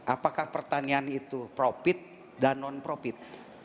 apakah pertanian itu profit dan non profit